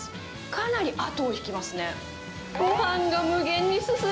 かなり後を引きますね。